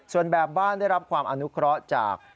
ส่วนแบบบ้านได้รับความอนุเคราะห์จาก